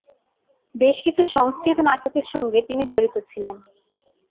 বেশ কিছু সংস্কৃত নাটকের সঙ্গে তিনি জড়িত ছিলেন।